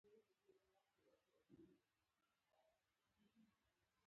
چې پر خپل برخلیک د فرد تسلط له منځه وړي.